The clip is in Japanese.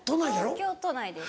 東京都内です。